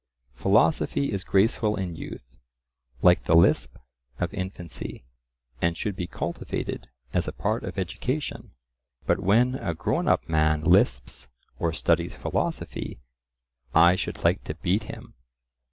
Philosophy is graceful in youth, like the lisp of infancy, and should be cultivated as a part of education; but when a grown up man lisps or studies philosophy, I should like to beat him.